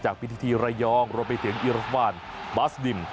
จากพิทธิระยองรวมไปถึงอิราฟาลบาสดิม